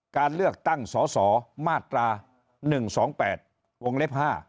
การเลือกตั้งสสมาตรา๑๒๘วงเล็บ๕